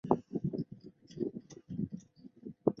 不同语言的名字解析算法的复杂度不同。